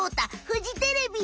フジテレビ！